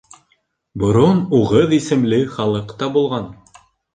Борон уғыҙ исемле халыҡ та булған.